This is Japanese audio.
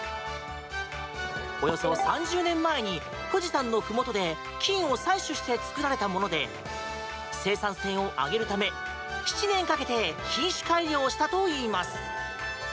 およそ３０年前に富士山のふもとで菌を採取して作られたもので生産性を上げるため７年かけて品種改良したといいます。